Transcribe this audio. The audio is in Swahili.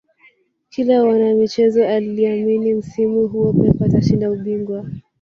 kila mwanamichezo aliamini msimu huo pep atashinda ubingwa